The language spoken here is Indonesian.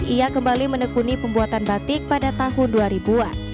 ia kembali menekuni pembuatan batik pada tahun dua ribu an